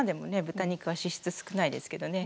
豚肉は脂質少ないですけどね。